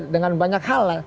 dengan banyak hal